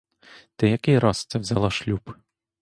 Ти який раз це взяла шлюб?